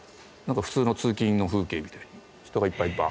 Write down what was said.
普通の通勤の風景みたいに人がいっぱいバーッて来て。